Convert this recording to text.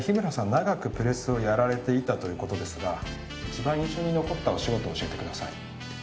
長くプレスをやられていたということですが一番印象に残ったお仕事教えてください。